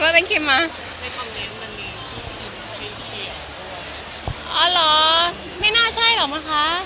หรอนี่น่าใช่หรอมะคะ